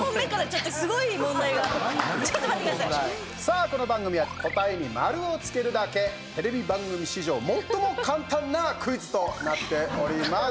さあ、この番組は答えに丸をつけるだけ！テレビ番組史上最も簡単なクイズとなっております。